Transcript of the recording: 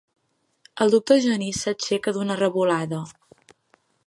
El doctor Genís s'aixeca d'una revolada.